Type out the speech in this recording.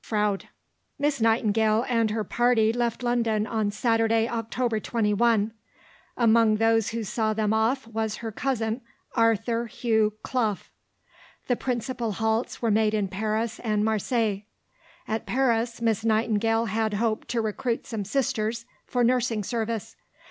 FROUDE. Miss Nightingale and her party left London on Saturday, October 21. Among those who saw them off was her cousin, Arthur Hugh Clough. The principal halts were made in Paris and Marseilles. At Paris, Miss Nightingale had hoped to recruit some Sisters for nursing service.